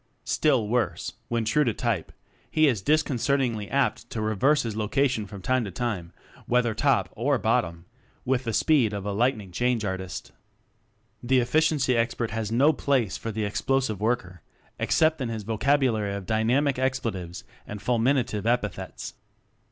Still worse, when true to type, he is disconcertingly apt to reverse his lo cation from time to time, whether top or bottom, with the speed of a light ning change artist. The Efficiency Expert has no place for the Explosive Worker except in his vocabulary of dynamic expletives and fulminative epithets.